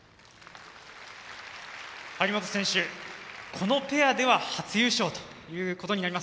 張本選手、このペアでは初優勝ということになります。